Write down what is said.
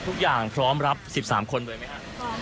ทุกอย่างพร้อมรับ๑๓คนเลยไหมคะ